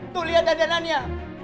tuh liat dandanannya